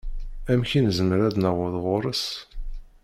Amek i nezmer ad naweḍ ɣur-s?